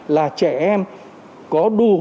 là trẻ em có đủ